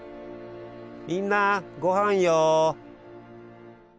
みんなごはんよ。